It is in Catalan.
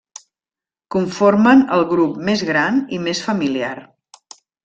Conformen el grup més gran i més familiar.